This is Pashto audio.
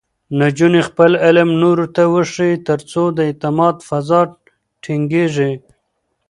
نجونې خپل علم نورو ته وښيي، ترڅو د اعتماد فضا ټینګېږي.